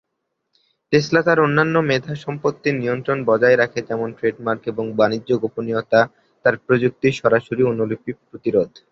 Tesla তার অন্যান্য মেধা সম্পত্তির নিয়ন্ত্রণ বজায় রাখে যেমন ট্রেডমার্ক এবং বাণিজ্য গোপনীয়তা তার প্রযুক্তির সরাসরি অনুলিপি প্রতিরোধ।